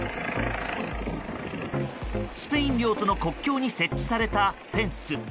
スペイン領との国境に設置されたフェンス。